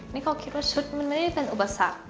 นี่เขาคิดว่าชุดมันไม่ได้เป็นอุปสรรค